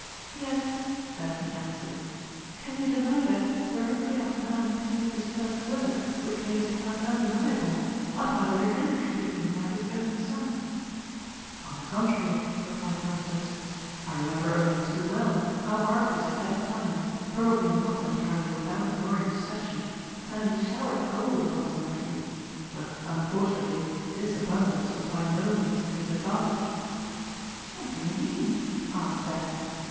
"Yet," Daphne answered, "can you deny that, directly after Hermon produced his first work which made his talent undeniable, my father again treated him like his own son?" "On the contrary," replied Myrtilus, "I remember only too well how Archias at that time, probably not entirely without your intercession, fairly showered gold upon his nephew, but unfortunately this abundance was by no means to his advantage." "What do you mean?" asked Daphne.